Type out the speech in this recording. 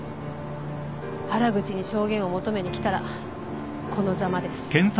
原口に証言を求めに来たらこのざまです。